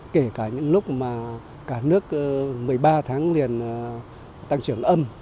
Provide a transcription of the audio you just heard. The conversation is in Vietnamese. kể cả những lúc mà cả nước một mươi ba tháng liền tăng trưởng âm